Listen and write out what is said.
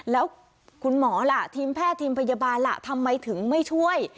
แล้วคุณหมอล่ะทีมแพทย์ทีมพยาบาลล่ะทำไมถึงไม่ช่วย